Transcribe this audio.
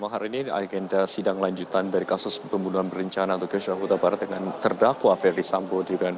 hari ini agenda sidang lanjutan dari kasus pembunuhan berencana di tukang syarabutabara dengan terdakwa ferdisambu